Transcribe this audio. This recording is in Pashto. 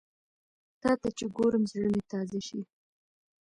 تاته چې ګورم، زړه مې تازه شي